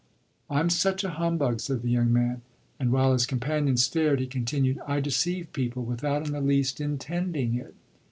"I'm such a humbug," said the young man. And while his companion stared he continued: "I deceive people without in the least intending it."